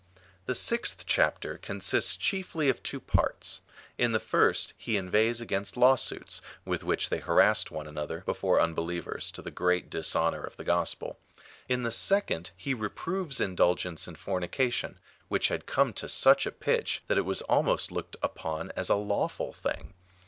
The sixth chapter consists chiefly of two parts. In the first he inveighs against law suits, with which they harassed one another, before unbelievers, to the great dishonour of the gospel. In the second he reproves indulgence in fornica tion, which had come to such a pitch, that it was almost looked upon as a lawful thing.